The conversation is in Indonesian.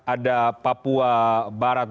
ada papua barat